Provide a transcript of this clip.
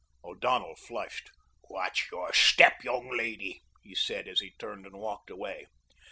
O'Donnell flushed. "Watch your step, young lady," he said as he turned and walked away.